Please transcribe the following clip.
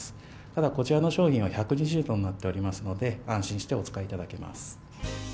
ただこちらの商品は１２０度になっておりますので、安心してお使いいただけます。